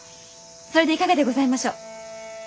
それでいかがでございましょう？